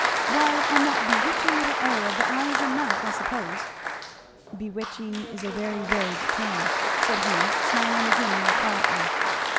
why on that bewitching little air of the eyes and mouth, I suppose." "Bewitching is a very vague term," said he smiling again more quietly.